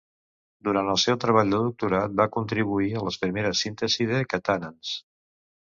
Durant el seu treball de doctorat, va contribuir a les primeres síntesi de catenans.